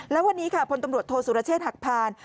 แล้ววันนี้ค่ะพลตำรวจโทษสุรเชษฐหักพาน